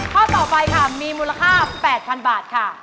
ข้อต่อไปค่ะมีมูลค่า๘๐๐๐บาทค่ะ